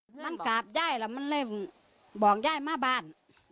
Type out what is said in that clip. มันกราบยายแล้วมันเลยบอกยายมาบ้าน